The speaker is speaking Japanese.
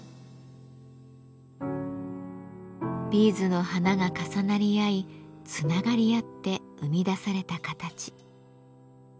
ビーズの花が重なり合いつながり合って生み出された形。